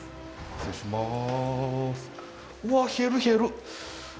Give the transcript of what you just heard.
失礼します。